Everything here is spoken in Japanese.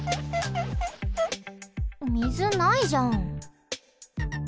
みずないじゃん。